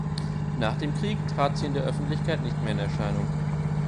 Nach dem Krieg trat sie in der Öffentlichkeit nicht mehr in Erscheinung.